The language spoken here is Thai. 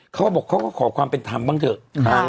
เขาก็บอกเขาก็ขอความเป็นธรรมบ้างเถอะ